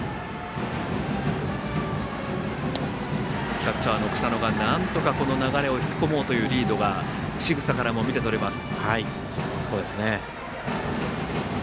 キャッチャーの草野がなんとか流れを引き込もうというリードがしぐさからも見て取れます。